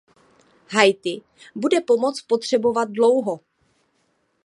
Haiti bude pomoc potřebovat dlouho.